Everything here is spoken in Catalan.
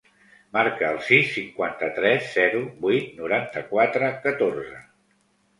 Marca el sis, cinquanta-tres, zero, vuit, noranta-quatre, catorze.